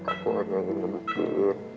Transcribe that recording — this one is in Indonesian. aku hanya mau buktiin